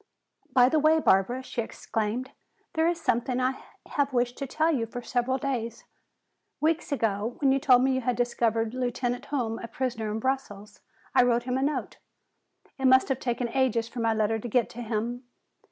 "By the way, Barbara," she exclaimed, "there is something I have wished to tell you for several days! Weeks ago when you told me you had discovered Lieutenant Hume a prisoner in Brussels, I wrote him a note. It must have taken ages for my letter to get to him.